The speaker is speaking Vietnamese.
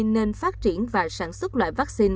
nên phát triển và sản xuất loại vaccine